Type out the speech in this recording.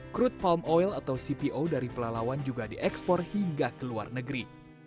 crude palm oil atau cpo dari pelalawan juga diekspor hingga ke luar negeri